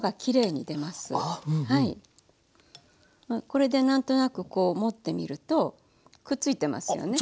これで何となくこう持ってみるとくっついてますよね。